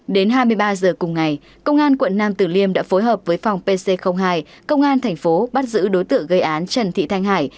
đến hai mươi ba giờ cùng ngày công an quận nam tử liêm đã phối hợp với phòng pc hai công an thành phố bắt giữ đối tượng gây án trần thị thanh hải